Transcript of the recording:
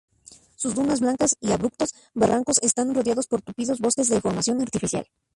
Sus dunas blancas y abruptos barrancos están rodeados por tupidos bosques de formación artificial.